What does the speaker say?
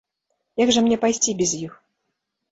Як жа мне пайсці без іх?